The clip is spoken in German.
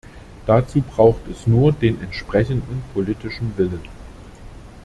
Dazu braucht es nur den entsprechenden politischen Willen.